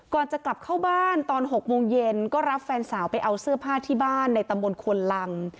ก่อนจะกลับเข้าบ้านตอน๖โมงเย็นก็รับแฟนสาวไปเอาเสื้อผ้าที่บ้านในตำบลควนลัง